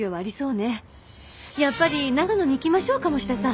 やっぱり長野に行きましょう鴨志田さん。